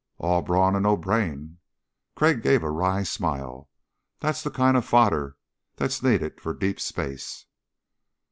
"All brawn and no brain." Crag gave a wry smile. "That's the kind of fodder that's needed for deep space."